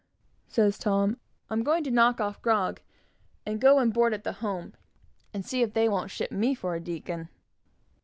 says Tom, "I'm going to knock off grog, and go and board at the Home, and see if they won't ship me for a deacon!"